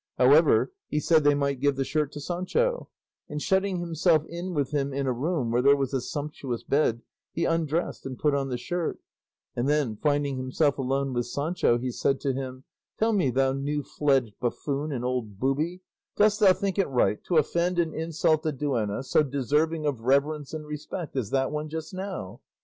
However, he said they might give the shirt to Sancho; and shutting himself in with him in a room where there was a sumptuous bed, he undressed and put on the shirt; and then, finding himself alone with Sancho, he said to him, "Tell me, thou new fledged buffoon and old booby, dost thou think it right to offend and insult a duenna so deserving of reverence and respect as that one just now?